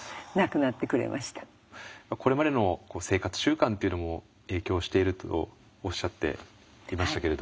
これまでの生活習慣というのも影響しているとおっしゃっていましたけれども。